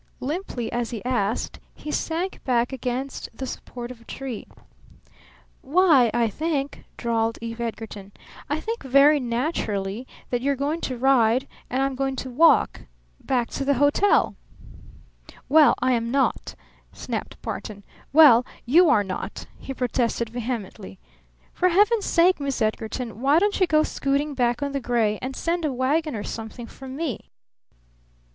Limply as he asked he sank back against the support of a tree. "Why, I think," drawled Eve Edgarton, "I think very naturally that you're going to ride and I'm going to walk back to the hotel." "Well, I am not!" snapped Barton. "Well, you are not!" he protested vehemently. "For Heaven's sake, Miss Edgarton, why don't you go scooting back on the gray and send a wagon or something for me?"